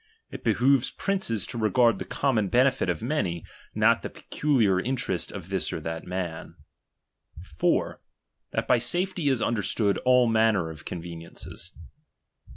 It behoves princes lo regard the common benefit of many, not the peculiar interest of this or that man, 4 . That by safety is understood all manner of conveniences.